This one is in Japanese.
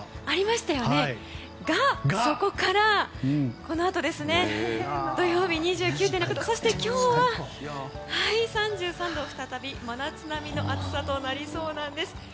ですが、そこからこのあと土曜日２９．６度そして、今日は３３度、再び真夏並みの暑さとなりそうなんです。